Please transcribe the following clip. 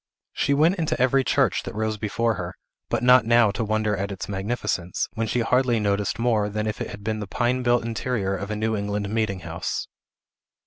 She went into every church that rose before her, but not now to wonder at its magnificence, when she hardly noticed more than if it had been the pine built interior of a New England meeting house.